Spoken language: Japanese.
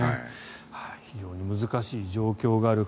非常に難しい状況がある。